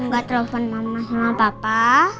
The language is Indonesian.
gak telepon mama sama papa